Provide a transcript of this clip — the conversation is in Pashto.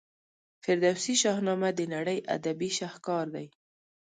فردوسي شاهنامه د نړۍ ادبي شهکار دی.